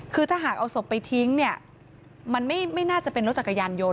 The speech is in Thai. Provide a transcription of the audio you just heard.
คือถ้าหากเอาศพไปทิ้งเนี่ยมันไม่น่าจะเป็นรถจักรยานยนต